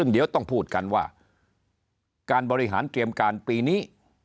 เดี๋ยวต้องพูดกันว่าการบริหารเตรียมการปีนี้